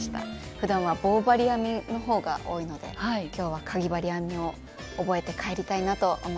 ふだんは棒針編みの方が多いので今日はかぎ針編みを覚えて帰りたいなと思ってます。